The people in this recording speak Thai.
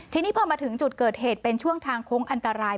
ทีนี้พอมาถึงจุดเกิดเหตุเป็นช่วงทางโค้งอันตราย